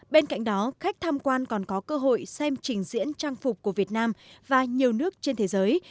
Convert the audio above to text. bên cạnh đó khách tham quan còn có cơ hội xem trình diễn trang phục của việt nam và nhiều nước trên thế giới